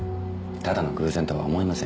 ただの偶然とは思えません。